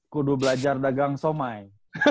kudu belajar dagang somai